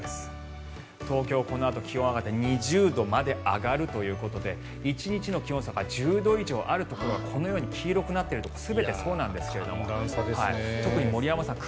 東京、このあと気温が上がって２０度まで上がるということで１日の気温差が１０度以上あるところはこのように黄色くなっているところ全てそうなんですが特に森山さん